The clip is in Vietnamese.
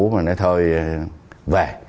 mình nói thôi về